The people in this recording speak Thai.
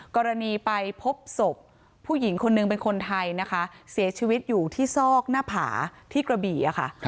กรณีไปพบศพผู้หญิงคนนึงเป็นคนไทยนะคะเสียชีวิตอยู่ที่ซอกหน้าผาที่กระบี่ค่ะ